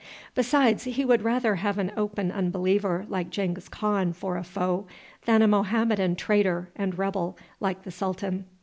Besides, he would rather have an open unbeliever like Genghis Khan for a foe, than a Mohammedan traitor and rebel like the sultan.